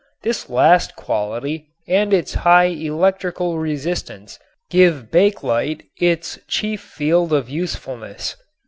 This last quality and its high electrical resistance give bakelite its chief field of usefulness.